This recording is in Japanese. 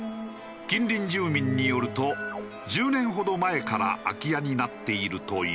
近隣住民によると１０年ほど前から空き家になっているという。